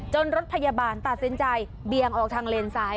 รถพยาบาลตัดสินใจเบี่ยงออกทางเลนซ้าย